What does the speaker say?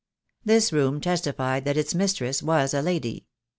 This room testified that its mistress was a lady.